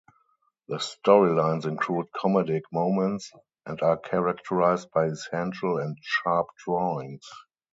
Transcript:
The storylines include comedic moments and are characterised by essential and sharp drawings.